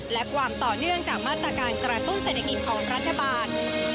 และความต่อเนื่องจากมาตรการกระตุ้นเศรษฐกิจของรัฐบาล